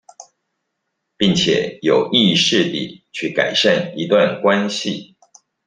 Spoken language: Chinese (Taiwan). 並且有意識地去改善一段關係